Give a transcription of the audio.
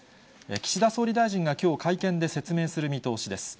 岸田総理大臣がきょう、会見で説明する見通しです。